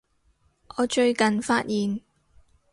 我最近發現